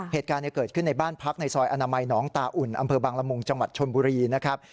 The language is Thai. เหตุการณ์เกิดขึ้นในบ้านพักในซอยอนามัยหนองตาอุ่นอำเภอบางละมุงจังหวัดชนบุรีนะครับ